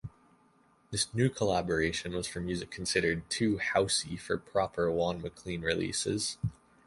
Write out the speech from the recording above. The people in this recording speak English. This new collaboration was for music considered "too 'housey' for proper Juan Maclean releases".